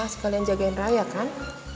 sekalian jagain raya kan